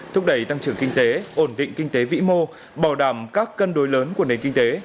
thúc đẩy tăng trưởng kinh tế ổn định kinh tế vĩ mô bảo đảm các cân đối lớn của nền kinh tế